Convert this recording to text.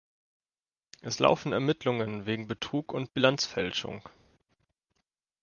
Es laufen Ermittlungen wegen Betrug und Bilanzfälschung.